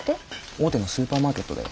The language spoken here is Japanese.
大手のスーパーマーケットだよ。